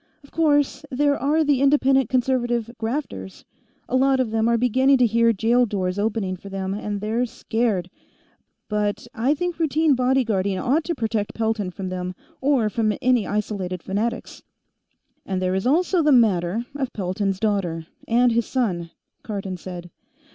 Of course, there are the Independent Conservative grafters; a lot of them are beginning to hear jail doors opening for them, and they're scared. But I think routine body guarding ought to protect Pelton from them, or from any isolated fanatics." "And there is also the matter of Pelton's daughter, and his son," Cardon said.